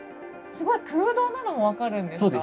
すごい空洞なのも分かるんですか？